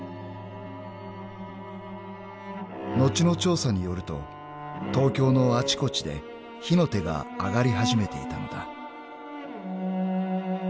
［後の調査によると東京のあちこちで火の手が上がり始めていたのだ］